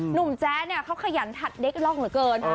หนุ่มแจ๊กเขาขยันถัดเด็กหลอกเหลือเกิน